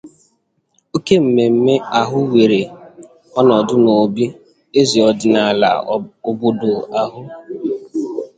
Oke mmemme ahụ wèèrè ọnọdụ n'òbí eze ọdịnala obodo ahụ